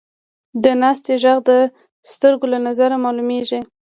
د ناستې ږغ د سترګو له نظره معلومېږي.